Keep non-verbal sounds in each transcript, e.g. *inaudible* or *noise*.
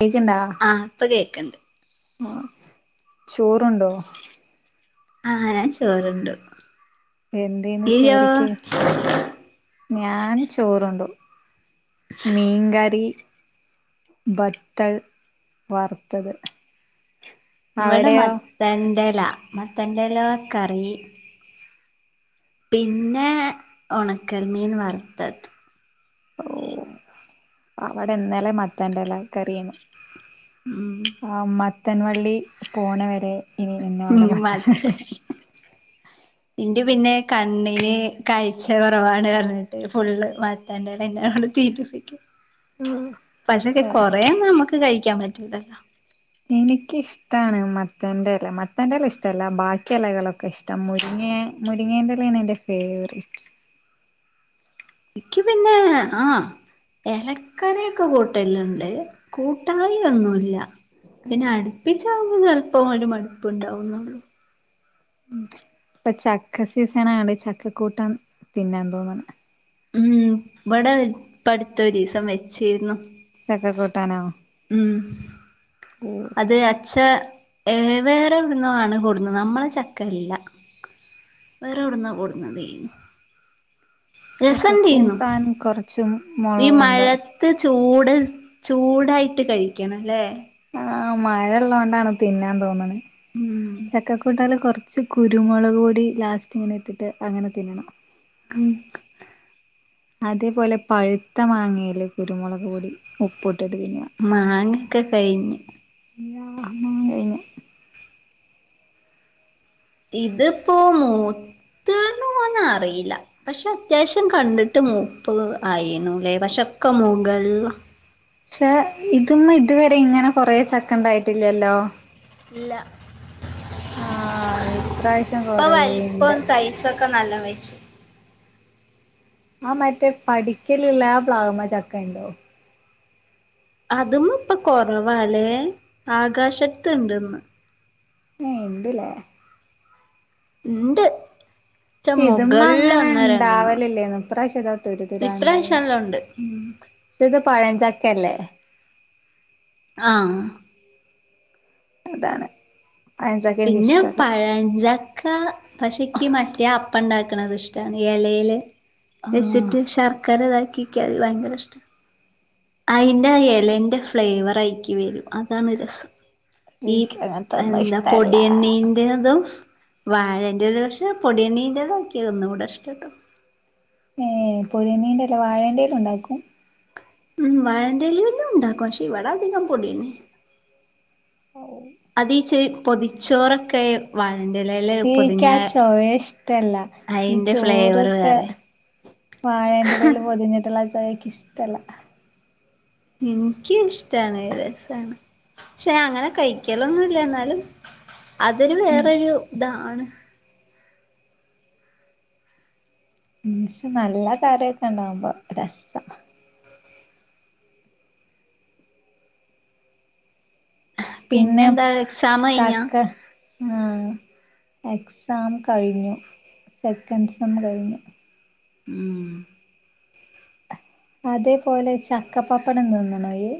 കേക്ക്ണ്ട? ആഹ് ഇപ്പ കേക്കണ്ട്. ആഹ് ചോറുണ്ടോ? ആഹ് ഞാൻ ചോറണ്ട് എന്തേന്ന് ഇയോ? ചോറിക്ക് ഞാൻ ചോറുണ്ടു മീൻകറി ബഡ്ക്കൽ വറുത്തത് ഇവിടെ അവിടെയോ മത്തന്റേ എല മത്തന്റേല കറി പിന്നെ ഉണക്കമീൻ വറത്തത്. ഓഹ് അവിടെ എന്നാലെ മത്താന്റെ ല കറിയണ്. ഉം ആഹ് മത്തൻവള്ളി പോണ വരെ ഇനി ഇന്നും അവിടെ നി മത്തൻ വള്ളി. മത്തെ *inaudible* ഇന്റെ പിന്നെ കണ്ണിന് കാഴ്ച കൊറവാണ് പറഞ്ഞിട്ട് ഫുള്ള് മ ത്തന്റെലഎന്നേണ്ട് തീറ്റിപ്പി *inaudible* പക്ഷെക്കെ കൊറേ ഒന്നു നമക്ക് കഴിക്കാൻ പറ്റുല്ലല്ലോ. എനിക്ക് ഇഷ് ത്താണ് മത്തന്റെ എല മത്തന്റല ഇഷ്ടല്ല ബാക്കി എലകളൊക്കെ ഇഷ്ടം മുരിങ്ങെ മുരിങ്ങേന്റെലയാണ് എന്റ ഫേറിറ്റ് ഇക്ക് പിന്നെ ആഹ് എലക്കറ്യാെക്കെ കൂട്ടല്ണ്ട് കൂട്ടായൊന്നു ഇല്ല. പിന്നെ അടുപ്പിച്ചാവുമ്പ ചെല്പം ഒരു മടുപ്പുണ്ടാവുംന്നുള്ളു. ഇപ്പൊ ചക്ക സീസനാണ് ചക്കക്കൂട്ടാൻ തിന്നാൻ തോന്ന്ണെ. ഉം ഇബടെ ഇപ്പ അട്ത്ത ഒരീസം വെച്ചിരുന്നു. ചക്ക കൂട്ടാനോ ഉം ഉം അത് അച്ച ഏ വേറെ എവിടുന്നോ ആണ് കൊടുന്നത് നമ്മളെ ചക്കെല്ല. വേറെ എവിടുന്നോ കൊടുന്നതേനി. ചക്ക കൂട്ടാൻ കൊറച്ചും *unintelligible* ഈ മഴത്ത് ചൂട് ചൂടായിട്ട് കഴിക്കണം ലെ ആഹ് മഴ ഇള്ളോണ്ടാണ് തിന്നാൻ തോന്ന്ണ് ഉം ചക്കക്കൂട്ടാല് കൊറ്ച്ച് കുരുമുളക് കൂടി ലാസ്റ്റ് ഇങ്ങനെ ഇട്ടിട്ട് അങ്ങനെ തിന്നണം. ഉം അതേപോലെ പഴുത്ത മാങ്ങേലെ കുരുമുളക് പൊടി ഉപ്പുട്ട് തിന്ന. മാങ്ങൊക്കെ കഴിഞ് കഴിഞ്ഞ്. ഇതിപ്പോ മൂത്ത് ന്ന് ന്നോന്നറീല്ല പക്ഷെ അത്യാവിശ്യം കണ്ടിട്ട് മുപ്പ് ആയിന്നുല്ലേ. പക്ഷെക്കെ മുൾള്. പക്ഷെ ഇതൊന്നും ഇതുവരെ ഇങ്ങനെ കൊറെ ചക്കണ്ടായിട്ടില്ലല്ലോ. ഇല്ല ആഹ് ഇപ്രാവശ്യം ഇപ്പ വലുപ്പോ കൊറേണ്ട് സൈസ് ഒക്കെ നല്ല വെച്ചു ആ മറ്റേ പഠിക്കലില്ല ആ പ്ലാവ്മ്മെ ചക്ക ഇണ്ടോ. അതിമ്മപ്പ കൊറവാലേ ആകാശത്ത് ഇണ്ട്ന്ന്. ഏഹ് ഇണ്ട്ലെ ഇണ്ട് റ്റ ഇത് മ്മ മുകളിൽ അങ്ങനെ ഒന്ന് രണ്ടെണ്ണം ഇണ്ടാവല് ല്ലേനു ഇപ്രാശ്യത തുര തുരാ ഇണ്ടായിന്. ഇപ്രാവശ്യല്ലാം ഉണ്ട് ഇത് പഴഞ്ചക്ക്യല്ലേ ആഹ് അതാണ് പഴഞ്ചക്ക എനിക്ക് പിന്ന്യാെ ഇഷ്ടല്ല പഴഞ്ച ക്ക പക്ഷേ ഇയ്ക്ക് മറ്റേ അപ്പ ഇണ്ടാക്ക്ണത് ഇഷ്ടാണ് എലയില്. ആഹ് വെച്ചിട്ട് ശർക്കര ഇതാക്കിക്കാ അത് ഭയങ്കര ഇഷ്ട അയിന്റെ എലേന്റെ ഫ്ലേവർ അയിക്ക്യ് വെരും അതാണ് രസം. ഇൻക്കങ്ങൻതൊന്നും ഇഷ്ട ഡീവനിംഗ് തും വാഴന്റേത് ഒരു പക്ഷെ പൊടിയണീന്റെ തക്ക്യ് ഒന്നും കൂടെ ഇഷ്ടട്ടോ. ഏഹ് പൊതിയനേന്റെത് വാഴേണ്ടേലും ഒണ്ടാക്കും. ഉം വാഴന്റെലേലും ഉണ്ടാക്കും. ക്ഷേ ഇവടെ അധികം പൊടിയന്നെ അതീച്ചെ പൊതിച്ചോറൊക്കെ വാഴന്റെലേലെ ഇനിക്ക ആ ചോയ ഇഷ്ടല്ല ഈ അയിന്റെ ഫ്ലേവർ ചോറൊക്കെ. വേറെ വാഴേന്റെലേൽ പൊതിഞ്ഞിട്ട്ള്ള ചൊയക്ക് ഇഷ്ടല്ല. ഇൻക്കിഷ്ടാണ് രസാണ്. പക്ഷെ ഞാൻ അങ്ങനെ കഴിക്കലൊന്നുല്ല ഇന്നാലും. അതൊരു ഉം വേറരു ഇതാണ്. ഉം നല്ല കറിയൊക്കെ ഇണ്ടാവുമ്പോ രസ. പിന്നെ പിന്നെന്താ എക്സാം കഴിഞ്ഞാ തക്ക ആഹ് എക്സാം കഴിഞ്ഞു സെക്കൻഡ് സം കഴിഞ്ഞു ഉം അതേപോലെ ചക്കപ്പപ്പടം തിന്നണോ യ്യ്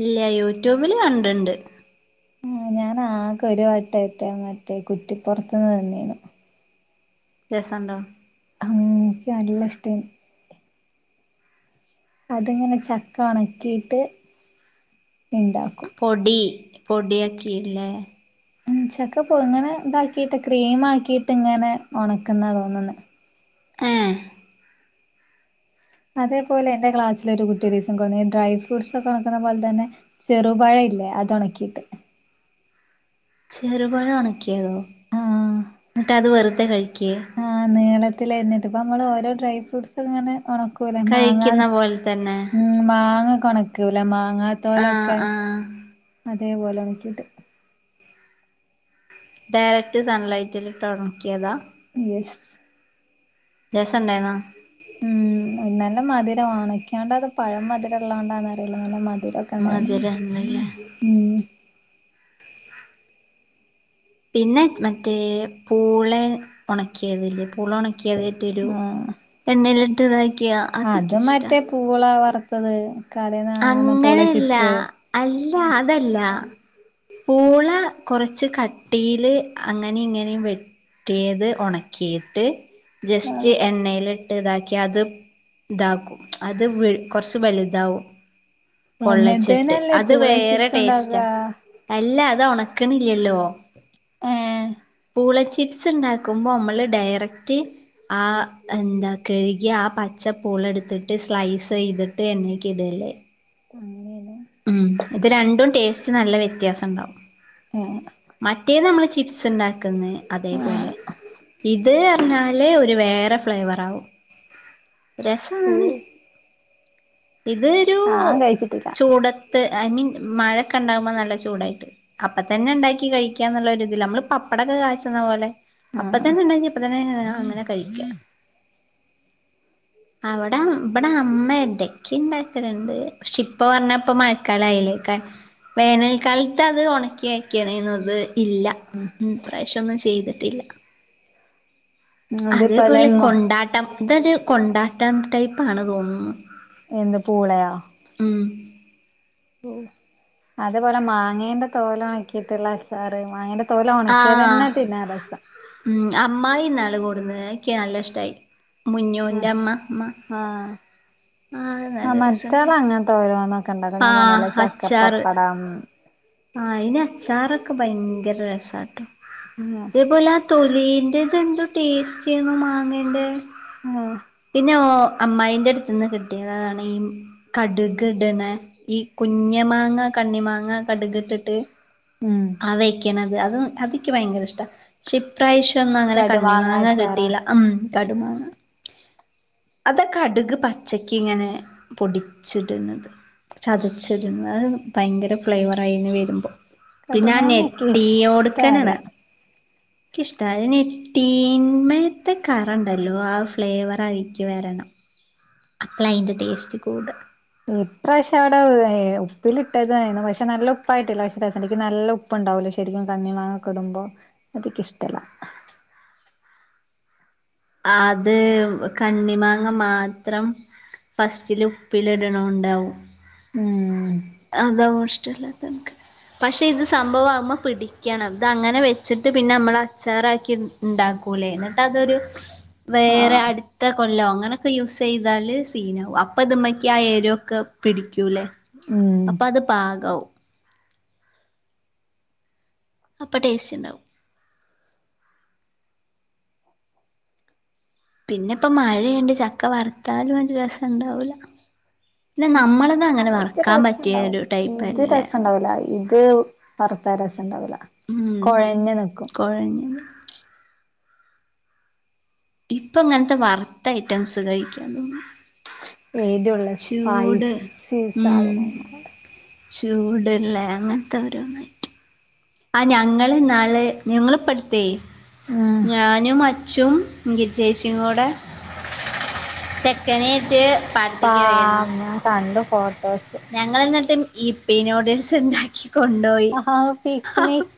ഇല്ല യൂട്യൂബില് കണ്ട്ണ്ട് ആഹ് ഞാൻ ആകെ ഒരു വട്ടറ്റെ മറ്റേ കുറ്റിപ്പൊറത്ത്ന്ന് തിന്നിനു രസണ്ടോ ഉം ഇന്ക്ക് നല്ല ഇഷ്ടായി അതിങ്ങനെ ചക്ക ഒണക്കിട്ട് ഇണ്ടാക്കും പൊടി പൊടിയക്കി യില്ലേ? ചക്ക പുയുങ്ങണ ഇതാക്കിട്ട് ക്രീം ആക്കിട്ട് ഇങ്ങനെ ഒണക്കുന്ന തോന്ന്ണ് ഉം അതേപോലെ എന്റെ ക്ലാസ്സില് ഒരു കുട്ടി ഒരീംസംകൊണ്ടന്നിന്നു ഈ ഡ്രൈ ഫ്രൂട്ട്സ് ഒക്കെ ഒണക്കണപോലെ തന്നെ ചെറുപഴംഇല്ലേ അത് ഉണക്കിട്ട് ചെറുപഴം ഉണക്കിയതോ ആഹ് എന്നിട്ട് അത് വെറുതെ കഴിക്കെ ആഹ് നീളത്തിലരിഞ്ഞിട്ട് ഇപ്പൊ നമ്മള് ഓരോ ഡ്രൈ ഫ്രൂട്ട്സ് ഇങ്ങനെ ഒണക്ക ലേ മാങ്ങാ കഴിക്കുന്ന പോലെ തന്നെ ഉംമാങ്ങ ഒക്കെ ഒണക്കൂലേമാങ്ങാ ആ തോലൊക്കെ ആ അതേപോലെ ഒണക്കിയിട്ട് ഡയറക്റ്റ് സൺലൈറ്റിലിട്ട് ഒണക്കിയതാ എസ് രസം ഇണ്ടായിന്നൊ ഉം നല്ല മധുരവാ ഉണക്കിയാണ്ട് അത് പഴം മധുര ഉള്ളതൊണ്ടാന്ന് അറിയില്ല നല്ല മതി രൊക്കെണ്ടായിരുന്നു. മധുരണ്ടല്ലേ ഉം പിന്നെ മറ്റേ പൂളെ ഒണക്കിയതില്ലേ പൂള ഒണക്കി ട്ടരു ആഹ് എണ്ണയിലിട്ട് ഇതാക്കിയാ അത് മറ്റേ പൂളാ വറുത്തത്. കടേന്ന് വാങ്ങുന്ന പൂള അങ്ങനെയല്ല ചിപ്സ് അല്ല ആഹ് അതല്ല. പൂള കൊറച്ച് കട്ടിയില് അങ്ങനെ ഇങ്ങനെയു വെ ട്ടിയത് ഒണക്കിയിട്ട് ജസ്റ്റ് ആഹ് എണ്ണയില് ഇതാക്കിയ അത് ഇതാക്കും അത് കൊറച്ച് വലുതാവും പൊള്ളച്ച്ട്ട് അങ്ങനത്തേനല്ലേ അത് പൂള വേറെ ചിപ്സ് ടേസ്റ്റാ ഉണ്ടാക്കുക അല്ല അത് ഒണക്ക്ണ്ല്ലല്ലോ? ഏഹ് പൂള ചിപ്സ് ഉണ്ടാക്കുമ്പോൾ നമ്മള് ഡയറക്റ്റ് ആഹ് എന്താ കഴുകി ആ പച്ചപ്പൂള എടുത്തിട്ട് സ്ലൈസ് ചെയ്തിട്ട് എണ്ണേക്ക് ഇടല്ലേ? അങ്ങനെ ല്ലേ ഉം ഇത് രണ്ടും ടേസ്റ്റ് നല്ല വ്യത്യാസം ഇണ്ടാവും. ഏഹ് മറ്റേത് നമ്മള് ചിപ്സ് ഇണ്ടാക്ക ന്നേ അതേപോലെ ഇത് പറഞ്ഞാല് ഒരു വേറെ ഫ്ലവറാവും രസാണ് ആഹ് ഇത് ഞാൻ കഴിച്ചിട്ടില്ല. ത്ത് ഐ മീൻ മഴൊക്കെ ഉണ്ടാകുമ്പോ നല്ല ചൂടായിട്ട് അപ്പൊ തന്നെ ഇണ്ടാക്കി കഴിക്കാന്നുള്ള ഇതില്നമ്മള് പപ്പടൊക്കെ കാച്ചുന്നപോലെ ആ അപ്പൊ തന്നെ ഉണ്ടാക്കി അപ്പ തന്നെ അങ്ങ കഴിക്കാം. അവിടെ ഇവിടെ അമ്മ ഇടയ്ക്ക് ഇണ്ടാക്കലാണ്ട് പക്ഷെ ഇപ്പ പറഞ്ഞപ്പ മഴക്കാലം ആയില്ലേ വേനൽക്കാലത്ത് അത് ഒണക്കി വയ്ക്കണേനു ഇത് ഇല്ല. ഉം ഇപ്രാവശ്യ ഒന്നും ചെയ്തിട്ടില്ല അതേപോലെ കൊണ്ടാട്ട ട്ടം ഇതൊരു കൊണ്ടാട്ടം ടൈപ്പാണ് തോന്നുന്നു. എന്ത് പൂളയോ? ഉം അതേപോലെ മാങ്ങേന്റെ തോല് ആക്കിയിട്ടുള്ള അച്ചാറ്. മാങ്ങേ തോല് ഉണക്കിയത് ആഹ് തന്നെ തിന്നാൻ രസ. ഉം അമ്മായി ഇന്നാള് കൂടുന്ന് എനിക്ക് നല്ല ഇഷ്ടമായി മുഞ്ഞുന്റെ അമ്മ അമ്മ. ആഹ് ആഹ് ആ നല്ല മറ്റാൾ രസണ്ടായിന്നു അങ്ങനത്തെ ഓരോന്നൊക്കെ ഉണ്ടാക്കും. ഞാൻ ആഹ് പറഞ്ഞില്ലേ. ചക്കപ്പപ്പടം ആ അയിന് അച്ചാറൊക്കെ ഭയങ്കര രസാട്ടോ. *unintelligible* ഇതേപോലെ ആ തൊലീന്റെ ഇതെന്തോ ടേസ്റ്റിയായിരുന്നു. മാങ്ങേ ന്റെ ആഹ് പിന്നെ ഓ അമ്മായിന്റെടുത്ത് നിന്ന് കിട്ടിയത്താണ്. കടുക് ഇട്ണെ ഈ കുഞ്ഞ്മാങ്ങ കണ്ണി മാങ്ങ കടുക് ഇട്ടിട്ട്. ഉം ആ വയ്ക്ക്ണത് അത് അതെനിക്ക് ഭയങ്കര ഇഷ്ടാണ് പക്ഷെപ്രാവശ്യന്നും അങ്ങനെ കണ്ണി മങ്ങ കടുമാങ്ങാച്ചാറാ കിട്ടിയില്ല. ഉം കടുമാങ്ങ അതൊ കടുക് പ ഉച്ചക്ക് ഇങ്ങനെ പൊടിച്ചിടുന്നത്. ചതച്ചിരുന്ന് ഭയങ്കര ഫ്ലേവർ ആയിന്ന് വരുമ്പോ. പിന്നെ ആ കടുമാങ്ങക്ക് ഇഷ്ടല്ല നൊടിയോടുക്കനൊആണ്. ക്ക്ഇഷ്ടണ് അ നൊടിന്മയത്തെ കറണ്ടല്ലോ ആ ഫ്ലേവർ അയിക്ക്ട്ട് വരണം. അപ്പളാ അതിൻ്റെ ടേസ്റ്റ് കൂടാ. ഇപ്രാവശ്യവിടെ ഉപ്പിലിട്ടതായിരുന്നു. പക്ഷെ നല്ല ഉപ്പായിട്ടില്ല അക്ഷദസക്ക് നല്ല ഉപ്പ ഉപ്പ് ഉണ്ടാവല്ലോ ശരിക്കും കണ്ണി മാങ്ങടുമ്പോ അതിനിക്ക് ഇഷ്ടല്ല. അത് കണ്ണി മാങ്ങ മാത്രം. ഫസ്റ്റില് ഉപ്പില് ഇടണണ്ടാവും ഉം അതവും ഷ്ടല്ല. തക് പക്ഷെ ഇത് സംഭവം തിമ്മേ പിടിക്കണം. ഇത് അങ്ങനെ വെച്ചിട്ട് പിന്നെ നമ്മൾ അച്ചാറാക്കി. ഉണ്ടാക്കൂലോ എന്നിട്ട് അതൊരു വേറെ ആഹ് അടു ത്ത കൊല്ലം അങ്ങനെയൊക്കെ യൂസ് ചെയ്താൽ സീനാകും അപ്പോം ഇത് മക്ക് ആ എരുക്കെ പിടിക്കൂല്ലേ. ഉം അപ്പൊ അത് പാകവും. അപ്പോ ടേസ്റ്റ്ണ്ടാവും. പിന്നെ ഇപ്പമഴയായൊണ്ട്. ചക്ക വറുത്താലും നല്യാരസണ്ടാവൂല്ല. പിന്നെ നമ്മൾ. ആത് രസണ്ടാവും ഇത് രസണ്ടാവല ഇത് വറുത്ത രസണ്ടാവൂല കുഴഞ്ഞ്നിക്കും. കുയഞ്ഞ് ഇപ്പോ ഇങ്ങനത്തെ വറുത്ത ഐറ്റംസ് കഴിക്കാ തോന്നുന്നു. എരുള്ള ചൂട് സ്പൈസി സാധനങ്ങൾ. ചൂടുള്ള അങ്ങനത്തെ ഓരോന്ന്. ആ ഞങ്ങള്ന്നാള് ഞങ്ങളിപ്പടുത്തെ ഉം ഞാനുഅച്ഛ ച്ചും ഗി ചേച്ചികൂടെ ചെക്കനേറ്റ്. പാ പാടത്തേക്ക് *unintelligible* കണ്ട് ഫോട്ടോസ്. ഞങ്ങളെന്നിട്ട് ഇപ്പിനൂഡിൽസ് ഉണ്ടാക്കി കൊണ്ടപോയി. ആഹാ പിക്നിക്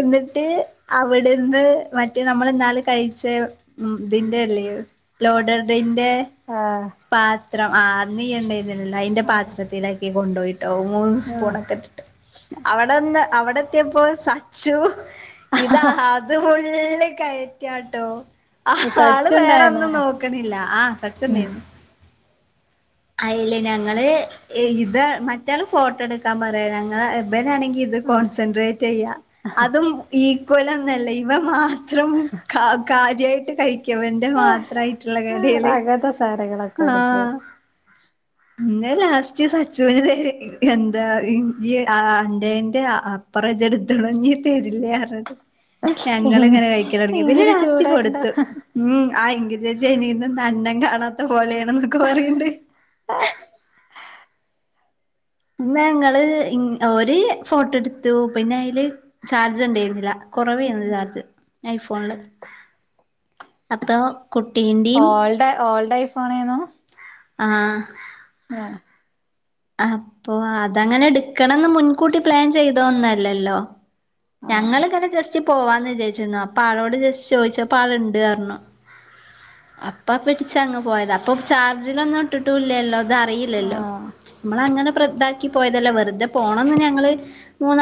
എന്നിട്ട് അവിടുന്ന് മറ്റേ നമ്മള്ന്നാള് കഴിച്ചേ ഉ ഇതിന്റെ അല്ലേ ലോഡറിന്റെ. ആഹ് പാത്രം ആ നീയ്യ്ഉണ്ടതിനല്ല അതിന്റെ പാത്രത്തിലാക്കി കൊണ്ടുപോയിട്ടോ. മൂന്ന് ആഹ് സ്പൂൺക്കെ ഇട്ട് അവിടെന്ന് അവിടെത്തിയപ്പോ സച്ചു ഇതാ ഫുള്ള്കയ്കട്ടോ? ആ ആള് സച്ചുണ്ടായിരുന്നോ വേറെന്നും നോക്കണില്ല ആ സച്ചു ഉം ടയിനു. യില്ലേ ഞങ്ങള് ഇത് മറ്റാള് ഫോട്ടോ എടുക്കാൻ പറയാ ഞങ്ങ നാണെങ്കി ഇത് ആഹ് കോൺസെൻട്രേറ്റ് ചെയ്യാ അതും ഈക്വല ഒന്നല്ല ഇവ മാത്രം കാര്യായിട്ട് കഴിക്കവന്റെ മാത്ര ആയിട്ടുള്ള കടിയൾ. അങ്ങനത്തെ സാധനങ്ങളൊക്കെ ഒരുപ്പോ ആഹ ഇന്നെ ലാസ്റ്റ് സച്ചുനരെ *unintelligible* എന്താ ഈ എന്റെന്റെ അപ്പുറ ചെടുത്തണ തരില്ല പറിഞ്ഞിട്ട് ഞങ്ങളിങ്ങനെ കഴിക്കല് തുടങ്ങി പിന്നെ ഭയങ്കര ലാസ്റ്റ്കൊടുത്തു. ചൂടായിട്ടുണ്ടാവും ഉം ആ എങ്കിൽ ചഎനിക്കും അന്നം കാണാത്തപോലെയണെന്നൊക്കെ പറയണ്ട്, ഇ ഞങ്ങള് ഒരു ഫോട്ടോ എടുത്തു പിന്നെ അതില് ചാർജ് ഉണ്ടായിരുന്നില്ല. കുറവായിരുന്നു ചാർജ് ഐഫോണിൽ അപ്പോ കുട്ടീന്റെയും ഓൾഡ് ഓൾഡ് ഐഫോണേന്നു ആഹ് ആഹ് അപ്പൊ അതങ്ങനെ എടുക്കണന്ന് മുൻകൂട്ടി പ്ലാൻ ചെയ്തോ ഒന്നുവല്ലല്ലോ ആഹ് ഞങ്ങളിങ്ങനെ ജസ്റ്റ് പോവാന്ന് വിചാച്ചിരുന്നു അപ്പൊ ആളോട് ജസ്റ്റ് ചോദിച്ചപ്പോ ആളുണ്ട് പറഞ്ഞു അപ്പ പിടിച്ചങ്ങ് പോയതാ അപ്പൊ ചാർജിലൊന്നും ഇട്ടിട്ടൂയില്ലല്ലോ ഇത് അറിയി ആഹ് നങ്ങളിങ്ങനെ പ്രഥാക്കി പോയതല്ല വെറുതെ പോണം ഞങ്ങള്,